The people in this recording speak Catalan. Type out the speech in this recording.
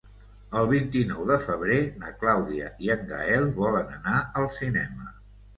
El vint-i-nou de febrer na Clàudia i en Gaël volen anar al cinema.